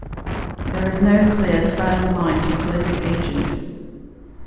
There is no clear first-line tocolytic agent.